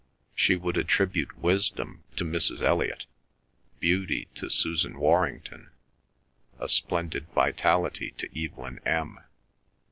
She would attribute wisdom to Mrs. Elliot, beauty to Susan Warrington, a splendid vitality to Evelyn M.